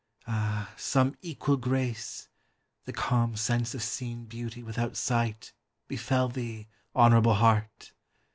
Ah, some equal grace (The calm sense of seen beauty without sight) Befell thee, honorable heart!